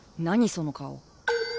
その顔。